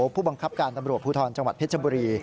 ผู้บังคับการตำรวจภูทรจังหวัดเพชรบุรี